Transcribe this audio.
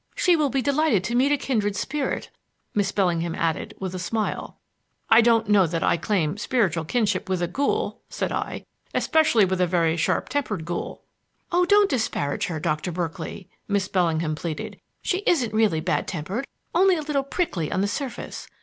She will be delighted to meet a kindred spirit," Miss Bellingham added, with a smile. "I don't know that I claim spiritual kinship with a ghoul," said I; "especially such a very sharp tempered ghoul." "Oh, don't disparage her, Doctor Berkeley!" Miss Bellingham pleaded. "She isn't really bad tempered; only a little prickly on the surface.